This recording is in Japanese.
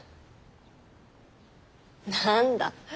何だ。